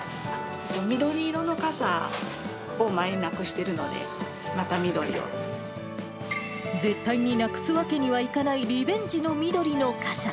緑色の傘を前になくしてるので、絶対になくすわけにはいかないリベンジの緑の傘。